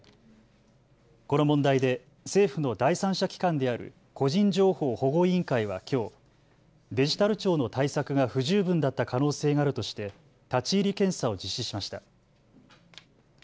この問題で政府の第三者機関である個人情報保護委員会はきょうデジタル庁の対策が不十分だった可能性があるとして立ち入り検査を実施しました。